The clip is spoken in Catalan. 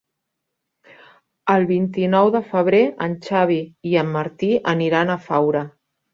El vint-i-nou de febrer en Xavi i en Martí aniran a Faura.